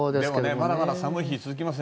まだまだ寒い日が続きますね。